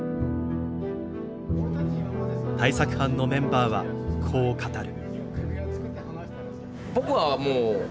対策班のメンバーはこう語る。